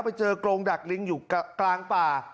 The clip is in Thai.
ไปเจอกรงดักลิงอยู่กลางป่า